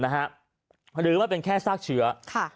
หรือมันเป็นแค่ซากเชื้อ